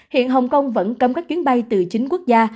hiện hồng kông vẫn cấm các chuyến bay từ chính quốc gia